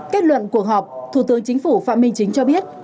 kết luận cuộc họp thủ tướng chính phủ phạm minh chính cho biết